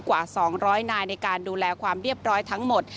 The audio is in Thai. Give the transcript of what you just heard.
กว่า๒๐๐นายในการดูแลความเรียบร้อยทั้งหมด